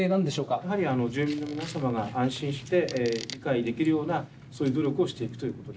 やはり住民の皆様が安心して理解できるようなそういう努力をしていくということで。